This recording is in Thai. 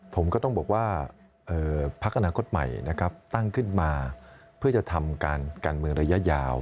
ผมก็ต้องบอกว่าพักอนาคตใหม่นะครับตั้งขึ้นมาเพื่อจะทำการเมืองระยะยาว